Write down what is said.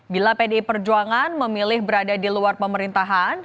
bila pdi perjuangan memilih berada di luar pemerintahan